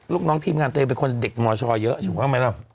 ลูกน้องทีมงานตัวเองเป็นคนเด็กมชเยอะถูกต้องไหมล่ะ